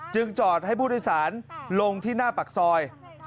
จอดให้ผู้โดยสารลงที่หน้าปากซอย